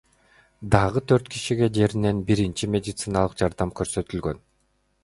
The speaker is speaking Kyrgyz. Дагы төрт кишиге жеринен биринчи медициналык жардам көрсөтүлгөн.